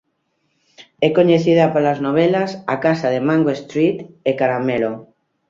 É coñecida polas novelas "A casa de Mango Street" e "Caramelo".